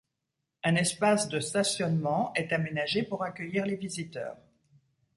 Un espace de stationnement est aménagé pour accueillir les visiteurs.